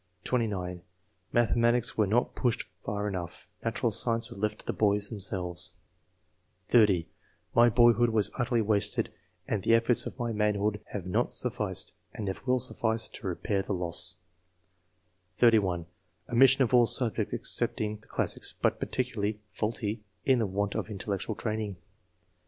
" (29) " Mathematics were not pushed far enough ; natural science was left to the boys themselves/' (30) "My boyhood was utterly wasted, and the efforts of my manhood have not sufficed, i never will suffice, to repair the loss/' ) ''OxmssioH of all subjects excepting the I but particularly [faulty] in the want of I training/' IV.